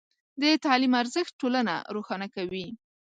د تعلیم ارزښت ټولنه روښانه کوي.